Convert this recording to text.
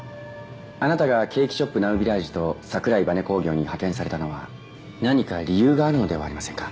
あなたがケーキショップ・ナウビラージュと桜井バネ工業に派遣されたのは何か理由があるのではありませんか？